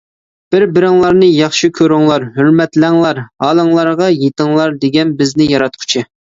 «بىر-بىرىڭلارنى ياخشى كۆرۈڭلار، ھۆرمەتلەڭلار، ھالىڭلارغا يېتىڭلار» دېگەن بىزنى ياراتقۇچى.